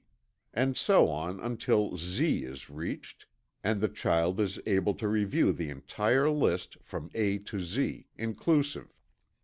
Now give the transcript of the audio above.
And so on until "Z" is reached and the child is able to review the entire list from "A to Z," inclusive.